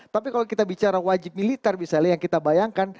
tapi kalau kita bicara wajib militer misalnya yang kita bayangkan